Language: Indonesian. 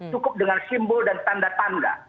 cukup dengan simbol dan tanda tanda